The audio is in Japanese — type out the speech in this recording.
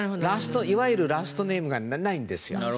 いわゆるラストネームがないんですよ。